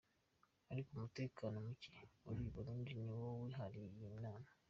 Ariko umutekano mucye uri i Burundi niwo wihariye iyi nama.